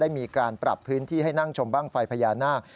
ได้มีการปรับพื้นที่ให้นั่งชมวิวน่าไฟพญานาค